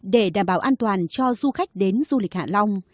để đảm bảo an toàn cho du khách đến du lịch hạ long